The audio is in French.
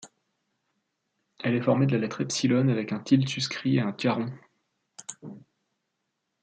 Elle est formée de la lettre epsilon avec un tilde suscrit et un caron.